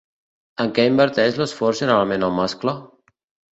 En què inverteix l'esforç generalment el mascle?